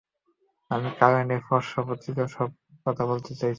আমি কারেন্ট অ্যাফেয়ার্সসহ পত্রিকার কথা বলতে চাইছি।